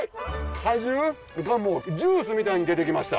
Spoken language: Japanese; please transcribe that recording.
果汁がもうジュースみたいに出てきました。